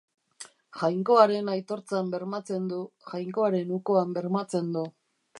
Jainkoaren aitortzan bermatzen du, Jainkoaren ukoan bermatzen du.